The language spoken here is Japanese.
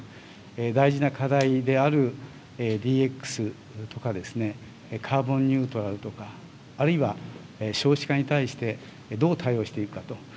大事な課題であるＤＸとか、カーボンニュートラルとか、あるいは、少子化に対してどう対応していくかと。